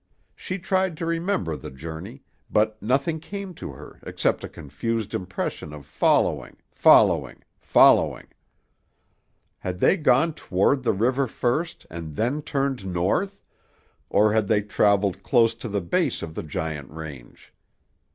She tried to remember the journey, but nothing came to her except a confused impression of following, following, following. Had they gone toward the river first and then turned north or had they traveled close to the base of the giant range?